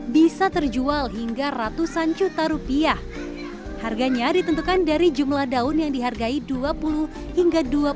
bisa terjual hingga ratusan juta rupiah harganya ditentukan dari jumlah daun yang dihargai dua puluh hingga